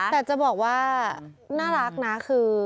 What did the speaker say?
แต่จะบอกว่าน่ารักนะคือ